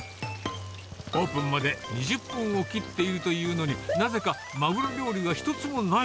オープンまで２０分を切っているというのに、なぜか、マグロ料理が一つもない。